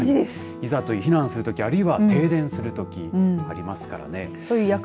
いざと避難するときあるいは停電するときありますからね。